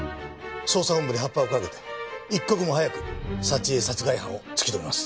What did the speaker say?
捜査本部に発破をかけて一刻も早く沙知絵殺害犯を突き止めます。